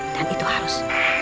dan itu harus